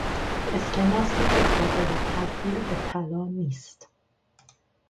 اسکناسی که قابل تبدیل به طلا نیست